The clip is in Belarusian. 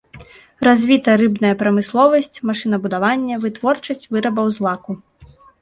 Развіта рыбная прамысловасць, машынабудаванне, вытворчасць вырабаў з лаку.